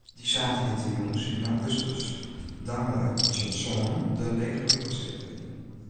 Dy saterdeitejûns yn augustus dangele er tsjin sânen de lege winkelstrjitte yn.